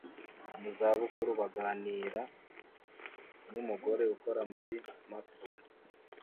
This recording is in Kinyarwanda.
mu zabukuru baganira numugore ukora kuri MacBook